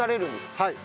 はい。